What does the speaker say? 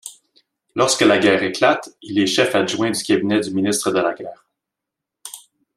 Lorsque la guerre éclate, il est chef-adjoint du cabinet du ministre de la Guerre.